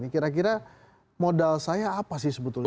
kira kira modal saya apa sih sebetulnya